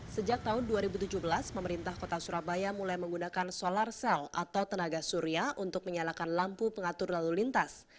sejak tahun dua ribu tujuh belas pemerintah kota surabaya mulai menggunakan solar cell atau tenaga surya untuk menyalakan lampu pengatur lalu lintas